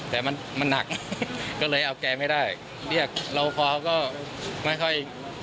แต่มันมันหนักก็เลยเอาแกไม่ได้เรียกเราพอก็ไม่ค่อย